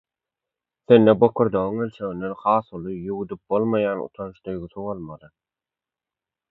Sende bokurdagyň ölçeginden has uly, ýuwdup bolmaýan utanç duýgusy bolmaly.